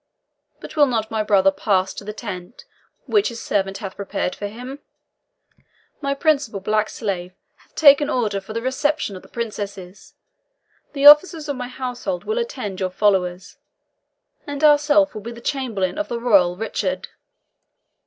But will not my brother pass to the tent which his servant hath prepared for him? My principal black slave hath taken order for the reception of the Princesses, the officers of my household will attend your followers, and ourself will be the chamberlain of the royal Richard."